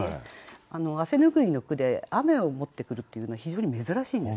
汗拭いの句で「雨」を持ってくるっていうのは非常に珍しいんです。